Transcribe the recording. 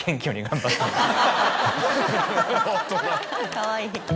かわいい。